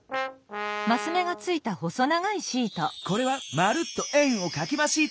これは「まるっと円をかきまシート」！